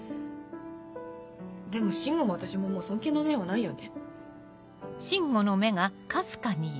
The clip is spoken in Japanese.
でも進吾も私ももう尊敬の念はないよね。